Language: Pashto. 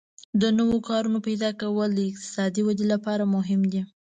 د نوو کارونو پیدا کول د اقتصادي ودې لپاره مهم دي.